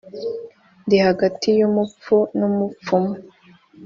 ndi hagati y'umupfu n'umupfumu